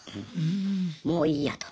もういいやと。